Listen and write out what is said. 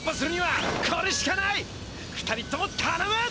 ２人ともたのむ！